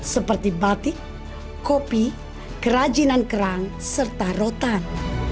seperti batik kopi kerajinan kerang serta rotan